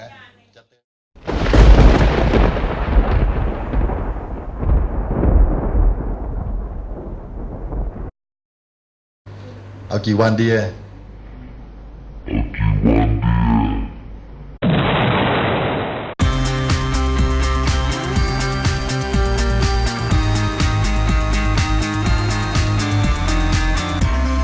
เอากี่วันดีเอากี่วันดี